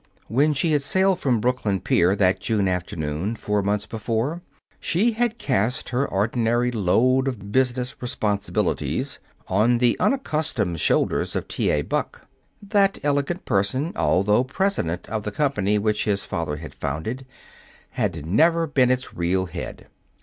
When she had sailed from Brooklyn pier that June afternoon, four months before, she had cast her ordinary load of business responsibilities on the unaccustomed shoulders of T. A. Buck. That elegant person, although president of the company which his father had founded, had never been its real head.